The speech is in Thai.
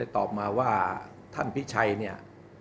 ตอบมาว่าท่านพิชัยเนี่ย